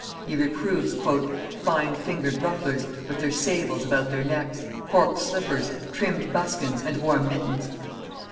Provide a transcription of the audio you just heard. He reproves "fine fingered rufflers, with their sables about their necks, corked slippers, trimmed buskins, and warm mittons."